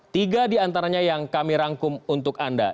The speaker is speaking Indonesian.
tiga di antaranya yang kami rangkum untuk anda